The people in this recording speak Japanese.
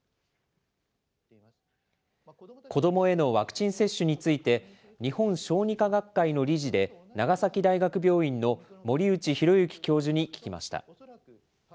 子どもへのワクチン接種について、日本小児科学会の理事で長崎大学病院の森内浩幸教授に聞きました。